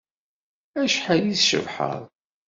Acḥal i tcebḥeḍ.